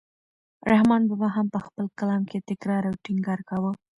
رحمان بابا هم په خپل کلام کې تکرار او ټینګار کاوه.